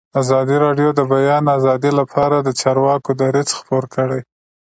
ازادي راډیو د د بیان آزادي لپاره د چارواکو دریځ خپور کړی.